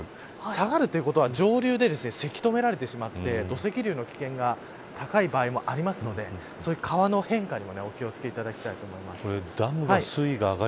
下がるということは上流でせき止められてしまって土石流の危険が高い場合もあるのでそういう川の変化にもお気を付けいただきたいと思います。